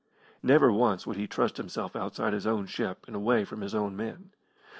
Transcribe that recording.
Never once would he trust himself outside his own ship and away from his own men.